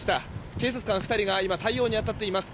警察官２人が今、対応に当たっています。